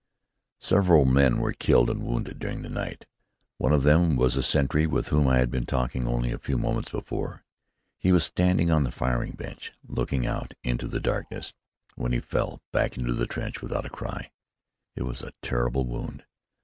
Several men were killed and wounded during the night. One of them was a sentry with whom I had been talking only a few moments before. He was standing on the firing bench looking out into the darkness, when he fell back into the trench without a cry. It was a terrible wound.